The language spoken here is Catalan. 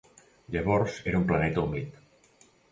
Llavors era un planeta humit.